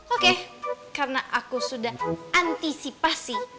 oke karena aku sudah antisipasi